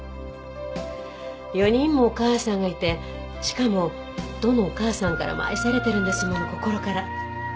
４人もお母さんがいてしかもどのお母さんからも愛されてるんですもの心から。